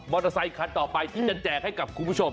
อเตอร์ไซคันต่อไปที่จะแจกให้กับคุณผู้ชม